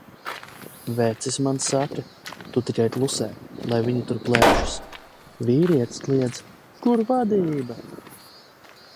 Vecis man saka: "Tu tikai klusē, lai viņa tur plēšas." Vīrietis kliedz: "Kur vadība?